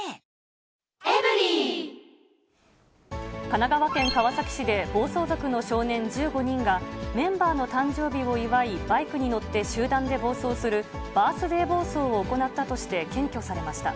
神奈川県川崎市で、暴走族の少年１５人が、メンバーの誕生日を祝い、バイクに乗って集団で暴走するバースデー暴走を行ったとして、検挙されました。